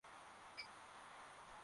ya kaskazini jua na jua inaweza kukunja